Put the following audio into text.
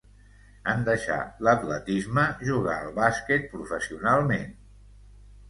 En deixar l'atletisme jugà al bàsquet professionalment.